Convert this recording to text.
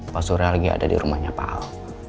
pak sure lagi ada di rumahnya pak al